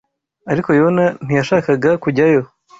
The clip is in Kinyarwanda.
Ariko Yona ntiyashakaga kujyayo